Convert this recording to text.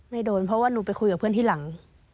โดนเพราะว่าหนูไปคุยกับเพื่อนที่หลัง